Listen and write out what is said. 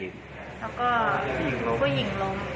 เนี่ยลดผู้หญิงล้ม